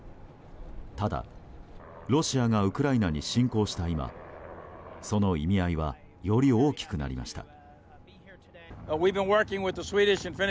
ただ、ロシアがウクライナに侵攻した今その意味合いはより大きくなりました。